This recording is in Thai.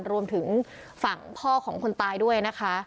รวมถึงฝั่งพ่อของคนตายด้วยนะคะ